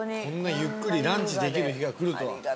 こんなゆっくりランチできる日が来るとは。